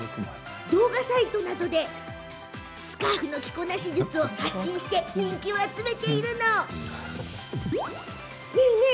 動画サイトなどでスカーフの着こなし術を発信して人気を集めています。